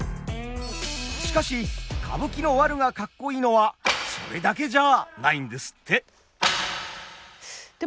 しかし歌舞伎のワルがカッコいいのはそれだけじゃないんですって！